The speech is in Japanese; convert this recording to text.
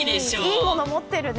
いいもの持ってるね。